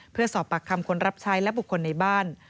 เพื่อสอบปากคำคนรับใช้และบุคคลในบ้าน